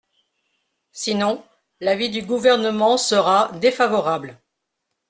Sinon, l’avis du Gouvernement sera défavorable.